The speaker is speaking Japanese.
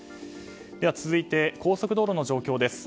続いて、高速道路の状況です。